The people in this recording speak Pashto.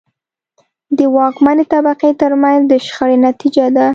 د واکمنې طبقې ترمنځ د شخړې نتیجه ده.